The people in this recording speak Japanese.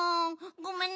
ごめんね。